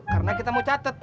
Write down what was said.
karena kita mau catet